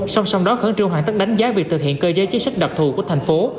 sau đó khẩn trương hoàn tất đánh giá việc thực hiện cơ giới chế sách đập thù của thành phố